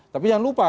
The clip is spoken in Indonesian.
tapi jangan lupa